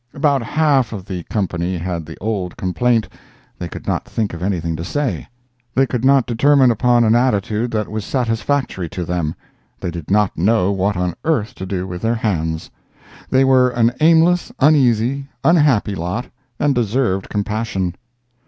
About one half the company had the old complaint—they could not think of anything to say—they could not determine upon an attitude that was satisfactory to them—they did not know what on earth to do with their hands. They were an aimless, uneasy, unhappy lot, and deserved compassion.